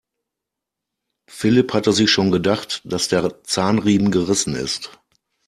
Philipp hatte sich schon gedacht, dass der Zahnriemen gerissen ist.